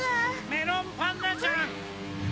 メロンパンナちゃん！